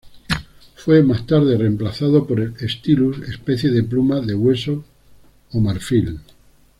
Fue más tarde reemplazado por el "stylus", especie de pluma de hueso o marfil.